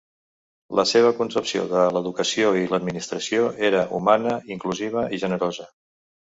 La seva concepció de l'educació i l'administració era humana, inclusiva i generosa.